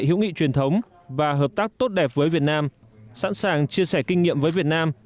hữu nghị truyền thống và hợp tác tốt đẹp với việt nam sẵn sàng chia sẻ kinh nghiệm với việt nam